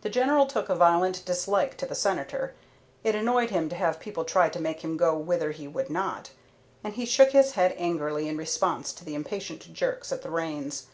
The General took a violent dislike to the Senator. It annoyed him to have people try to make him go whither he would not, and he shook his head angrily in response to the impatient jerks at the reins.